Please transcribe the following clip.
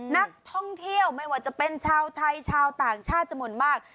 นักท่องเที่ยวไม่ว่าจะเป็นชาวไทยชาวต่างชาติจำนวนมาก